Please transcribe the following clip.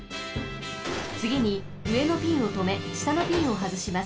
つぎにうえのピンをとめしたのピンをはずします。